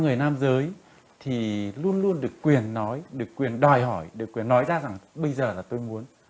người nam giới thì luôn luôn được quyền nói được quyền đòi hỏi được quyền nói ra rằng bây giờ là tôi muốn